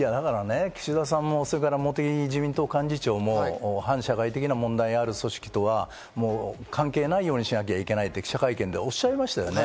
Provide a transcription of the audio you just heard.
岸田さんも茂木自民党幹事長も反社会的な問題がある組織とは関係ないようにしなきゃいけないって記者会見でおっしゃいましたよね。